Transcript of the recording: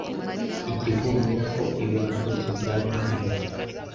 igihunyira ko ibintu byose byari umweru